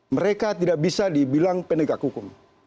mereka tidak bisa dibilang penegak hukum